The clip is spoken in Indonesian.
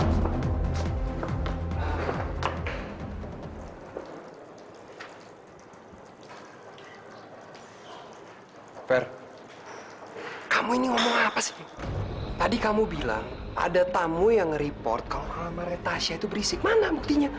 sampai jumpa di video selanjutnya